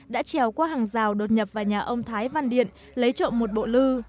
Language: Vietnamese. đã trèo qua hàng rào đột nhập vào nhà ông thái văn điện lấy trộm một bộ lư